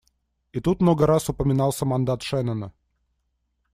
И тут много раз упоминался мандат Шеннона.